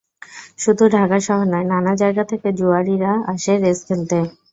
শুধু ঢাকা শহর নয়, নানা জায়গা থেকে জুয়াড়িরা আসে রেস খেলতে।